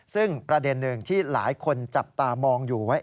ซึ่งประเด็นหนึ่งที่หลายคนจับตามองอยู่ว่า